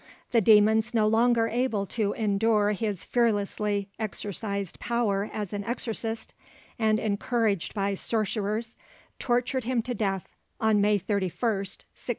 The demons no longer able to endure his fearlessly exercised power as an exorcist, and encouraged by sorcerers, tortured him to death, on May 31st, 1638."